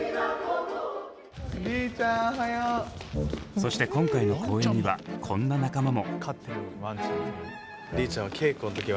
そして今回の公演にはこんな仲間も。